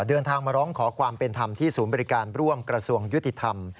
เดินทางมาร้องขอความเป็นธรรมที่ศูนย์บริการร่วมกระทรวงยุติธรรม